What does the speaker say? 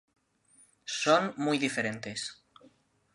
Son muy diferentes.